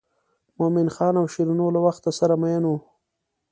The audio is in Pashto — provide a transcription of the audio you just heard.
مومن خان او شیرینو له وخته سره مئین وو.